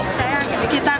ini lebih profesional lagi